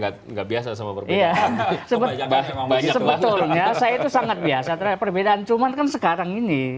enggak biasa sama berbeda sebetulnya saya itu sangat biasa terhadap perbedaan cuman kan sekarang ini